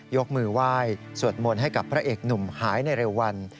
ยกมือไหว้สวดมนต์ให้กับพระเอกหนุ่มหายในเร็ววัน